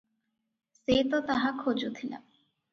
ସେ ତ ତାହା ଖୋଜୁଥିଲା ।